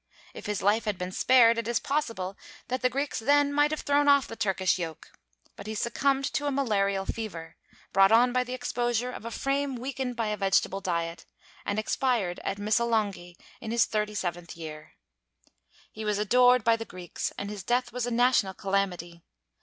If his life had been spared, it is possible that the Greeks then might have thrown off the Turkish yoke; but he succumbed to a malarial fever, brought on by the exposure of a frame weakened by a vegetable diet, and expired at Missolonghi in his thirty seventh year. He was adored by the Greeks, and his death was a national calamity.